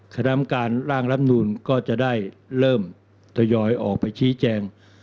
คณะกรรมการร่างรับนูลก็จะได้เริ่มทยอยออกไปชี้แจง